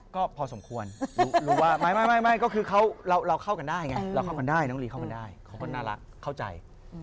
ก็พอสมควรรู้ว่าไม่ก็คือเราเข้ากันได้ไงเราเข้ากันได้น้องลีเข้ากันได้เขาก็น่ารักเข้าใจ